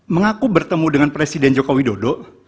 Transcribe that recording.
mengaku bertemu dengan presiden joko widodo